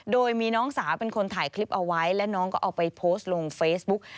โดยมีน้องสาวเป็นคนถ่ายคลิปเอาไว้และน้องก็เอาไปโพสต์ลงเฟซบุ๊ก